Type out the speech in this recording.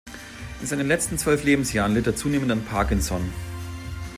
In seinen letzten zwölf Lebensjahren litt er zunehmend an Parkinson.